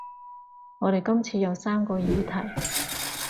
我哋今次有三個議題